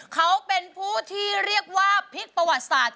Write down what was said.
เขาเป็นผู้ที่เรียกว่าพลิกประวัติศาสตร์